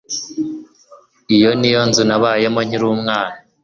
Iyi niyo nzu nabayemo nkiri umwana.